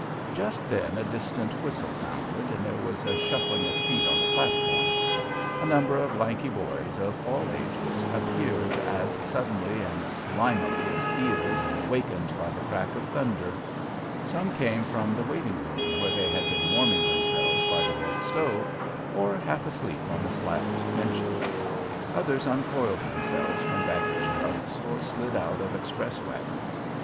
Just then a distant whistle sounded, and there was a shuffling of feet on the platform. A number of lanky boys, of all ages, appeared as, suddenly and slimily as eels wakened by the crack of thunder; some came from the waiting room, where they had been warming themselves by the red stove, or half asleep on the slat benches; others uncoiled themselves from baggage trucks or slid out of express wagons.